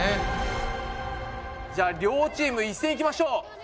じゃあ両チーム一斉にいきましょう。